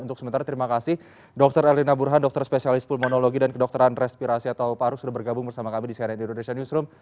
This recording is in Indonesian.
untuk sementara terima kasih dokter erlina burhan dokter spesialis pulmonologi dan kedokteran respirasi atau paru sudah bergabung bersama kami di cnn indonesia newsroom